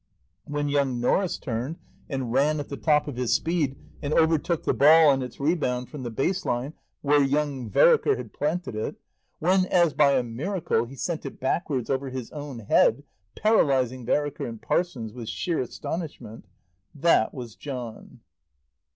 When young Norris turned and ran at the top of his speed, and overtook the ball on its rebound from the base line where young Vereker had planted it, when, as by a miracle, he sent it backwards over his own head, paralysing Vereker and Parsons with sheer astonishment, that was John.